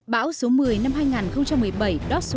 bão số một mươi